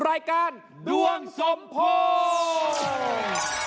รายการดวงสมพงษ์